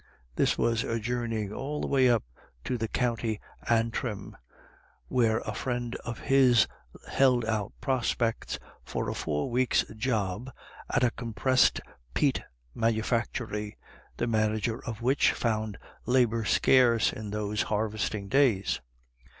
This was a journey all the way up to the county Antrim, where a friend of his held out prospects of a four weeks' job at a compressed peat manufactory, the manager ao8 IRISH IDYLLS. of which found labour scarce in those harvesting days.